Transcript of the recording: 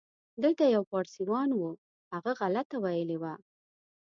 دلته یو پاړسیوان و، هغه غلطه ویلې وه.